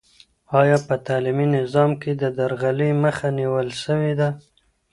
آیا په تعلیمي نظام کې د درغلۍ مخه نیول سوې ده؟